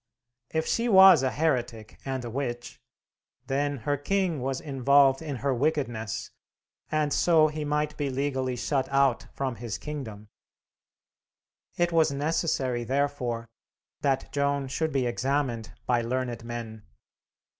If she was a heretic and a witch, then her king was involved in her wickedness, and so he might be legally shut out from his kingdom. It was necessary, therefore, that Joan should be examined by learned men.